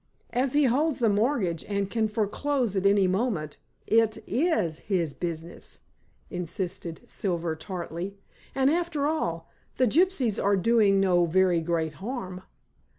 "As he holds the mortgage and can foreclose at any moment, it is his business," insisted Silver tartly. "And, after all, the gypsies are doing no very great harm."